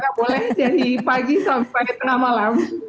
jadi mereka boleh dari pagi sampai tengah malam